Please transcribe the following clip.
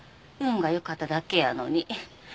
運が良かっただけやのに。